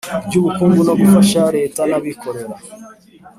ry ubukungu no gufasha Leta n abikorera